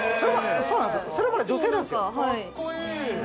それまで女性なんですよ。